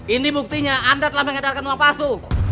ini buktinya anda telah mengedarkan uang palsu